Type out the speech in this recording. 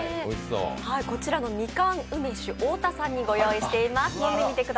こちらのみかん梅酒、太田さんにご用意しています。